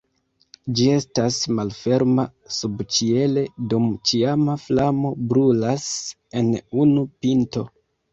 Ĝi estas malferma subĉiele dum ĉiama flamo brulas en unu pinto.